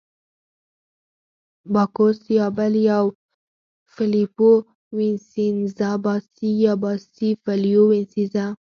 باکوس یا بل یو، فلیپو وینسینزا، باسي یا باسي فلیپو وینسینزا.